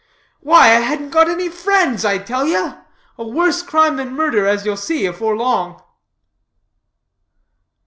"Why, I hadn't got any friends, I tell ye. A worse crime than murder, as ye'll see afore long."